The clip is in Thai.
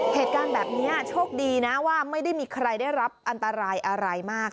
เหตุการณ์แบบนี้โชคดีนะว่าไม่ได้มีใครได้รับอันตรายอะไรมาก